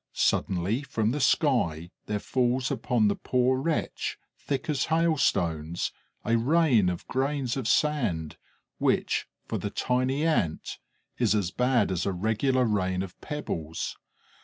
Suddenly from the sky there falls upon the poor wretch, thick as hailstones, a rain of grains of sand, which, for the tiny Ant, is as bad as a regular rain of pebbles.